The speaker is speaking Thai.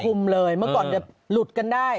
ครอบคลุมเลยเมื่อก่อนจะหลุดกันได้